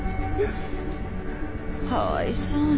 かわいそうに。